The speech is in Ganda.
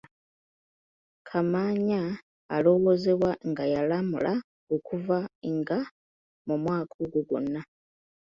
Kamaanya alowoozebwa nga yalamula okuva nga mu mwaka ogwo gwonna.